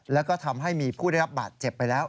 แล้วก็ทำให้มีผู้ได้รับบาดเจ็บไปแล้ว